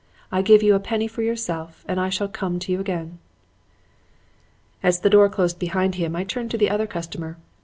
I give you a penny for yourself and I shall come to you again.' "As the door closed behind him I turned to the other customer.